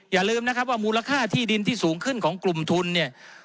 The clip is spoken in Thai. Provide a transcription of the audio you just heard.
อย่าลืมนะครับว่ามูลค่าที่ดินที่สูงขึ้นของกลุ่มทุนเนี่ย